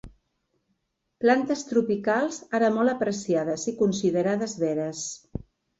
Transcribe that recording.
Plantes tropicals ara molt apreciades i considerades veres.